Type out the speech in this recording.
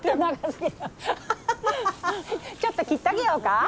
ちょっと切ってあげようか？